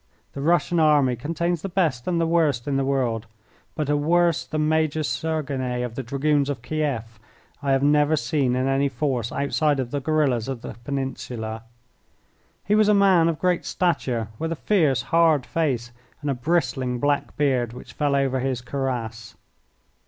The Russian army contains the best and the worst in the world, but a worse than Major Sergine of the Dragoons of Kieff I have never seen in any force outside of the guerillas of the Peninsula. He was a man of great stature, with a fierce, hard face and a bristling black beard, which fell over his cuirass.